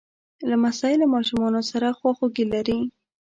لمسی له ماشومانو سره خواخوږي لري.